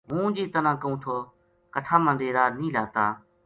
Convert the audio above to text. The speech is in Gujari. ہوں جی تنا کہوں تھو کٹھا ما ڈیرو نیہہ لاتا